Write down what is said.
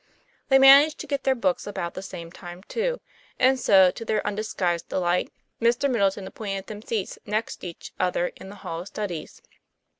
They managed to get their books about the same time, too; and so, to their undisguised de light, Mr. Middleton appointed them seats next each other in the hall of studies.